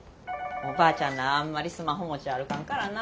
おばあちゃんらあんまりスマホ持ち歩かんからな。